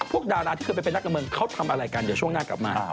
พวกดาราที่เคยไปเป็นนักการเมืองเขาทำอะไรกันเดี๋ยวช่วงหน้ากลับมา